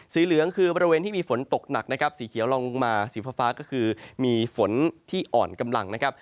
เหลืองคือบริเวณที่มีฝนตกหนักนะครับสีเขียวลองลงมาสีฟ้าก็คือมีฝนที่อ่อนกำลังนะครับ